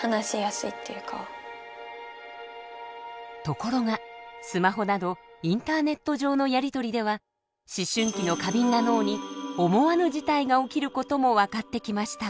ところがスマホなどインターネット上のやりとりでは思春期の過敏な脳に思わぬ事態が起きる事も分かってきました。